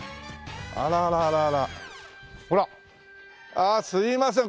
あっすいません。